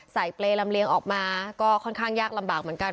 เปรย์ลำเลียงออกมาก็ค่อนข้างยากลำบากเหมือนกัน